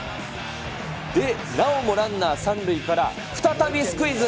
で、なおもランナー３塁から、再びスクイズ。